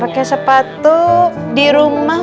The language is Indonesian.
pakai sepatu di rumah